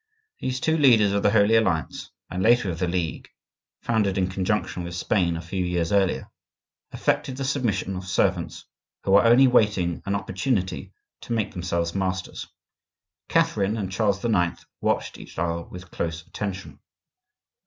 These two leaders of the Holy Alliance, and later of the League (founded in conjunction with Spain a few years earlier), affected the submission of servants who are only waiting an opportunity to make themselves masters. Catherine and Charles IX. watched each other with close attention.